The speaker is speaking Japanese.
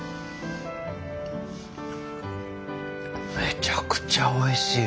めちゃくちゃおいしい。